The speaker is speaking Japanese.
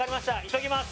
急ぎます